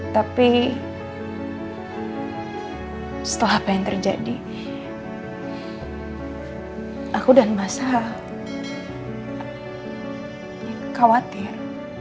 tapi setelah apa yang terjadi aku dan massa khawatir